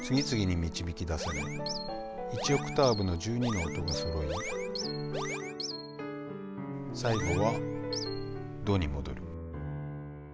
１オクターブの１２の音がそろい最後は「ド」に戻る。